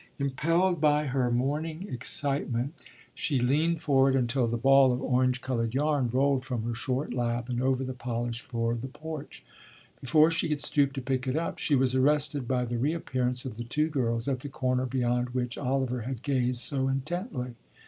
Impelled by her mounting excitement, she leaned forward until the ball of orange coloured yarn rolled from her short lap and over the polished floor of the porch. Before she could stoop to pick it up, she was arrested by the reappearance of the two girls at the corner beyond which Oliver had gazed so intently.